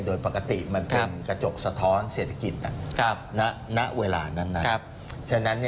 โดยปกติมาจนกระจกสะท้อนเศรษฐกิจตรงนั้น